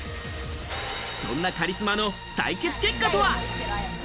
そんなカリスマの採血結果とは？